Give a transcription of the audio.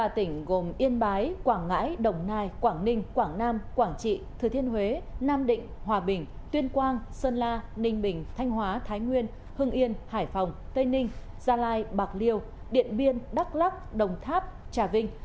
ba tỉnh gồm yên bái quảng ngãi đồng nai quảng ninh quảng nam quảng trị thừa thiên huế nam định hòa bình tuyên quang sơn la ninh bình thanh hóa thái nguyên hưng yên hải phòng tây ninh gia lai bạc liêu điện biên đắk lắc đồng tháp trà vinh